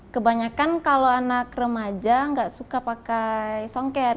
kebanyakan kalau anak remaja nggak suka pakai songket